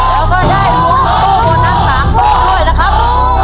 แล้วก็ได้รุ่นโต้บนทั้งสามตู้ด้วยนะครับ